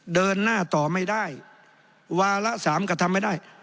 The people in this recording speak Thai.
เดินหน้าต่อไม่ได้วาระสามกระทำไม่ได้